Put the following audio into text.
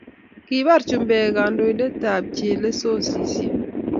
kibar chumbeek kandoindet ab chelososiek